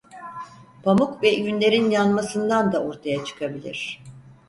Pamuk ve yünlerin yanmasından da ortaya çıkabilir.